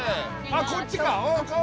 あっこっちか！